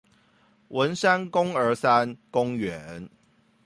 文山公兒三公園